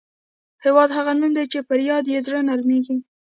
هېواد هغه نوم دی چې پر یاد یې زړه نرميږي.